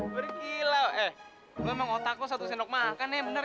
berkilau eh lo emang otak lo satu sendok makan ya bener ya